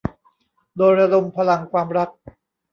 โดยระดมพลังความรัก